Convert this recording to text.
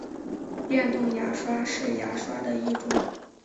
电动牙刷是牙刷的一种。